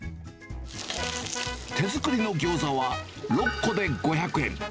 手作りのギョーザは６個で５００円。